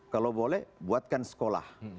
kalau boleh buatkan sekolah